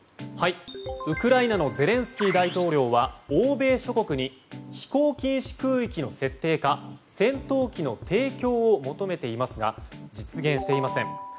ウクライナのゼレンスキー大統領は欧米諸国に飛行禁止空域の設定か戦闘機の提供を求めていますが実現していません。